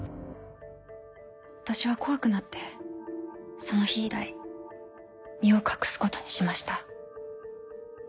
私は怖くなってその日以来身を隠すことにしました。